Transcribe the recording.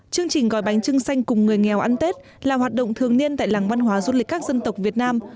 chương trình gói bánh trưng xanh cùng người nghèo ăn tết là hoạt động thường niên tại làng văn hóa du lịch các dân tộc việt nam